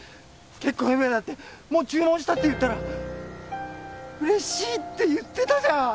結婚指輪だってもう注文したって言ったら嬉しいって言ってたじゃん！